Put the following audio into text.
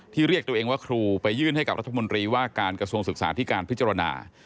เรียกตัวเองว่าครูไปยื่นให้กับรัฐมนตรีว่าการกระทรวงศึกษาที่การพิจารณา